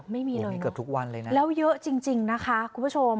ไม่มีเลยเนอะแล้วเยอะจริงนะคะคุณผู้ชม